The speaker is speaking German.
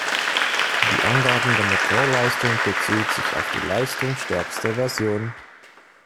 Die Angabe der Motorleistung bezieht sich auf die leistungsstärkste Version.